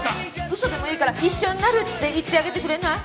ウソでもいいから一緒になるって言ってあげてくれない？